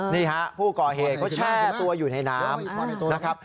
นี่ฮะผู้ก่อเหตุเขาแช่ตัวอยู่ในน้ำนะครับ